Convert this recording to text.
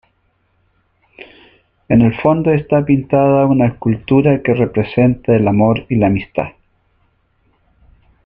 En el fondo está pintada una escultura que representa el amor y la amistad.